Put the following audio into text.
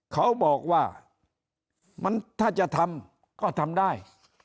เขาบอกว่ามันถ้าจะทำก็ทำได้